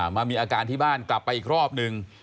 มามีอาการที่บ้านกลับไปอีกรอบนึง